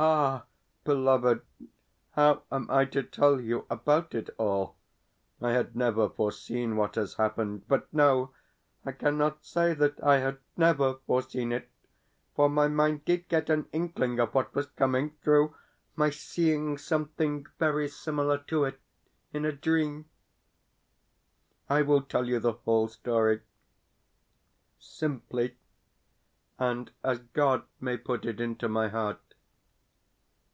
Ah, beloved, how am I to tell you about it all? I had never foreseen what has happened. But no I cannot say that I had NEVER foreseen it, for my mind DID get an inkling of what was coming, through my seeing something very similar to it in a dream. I will tell you the whole story simply, and as God may put it into my heart.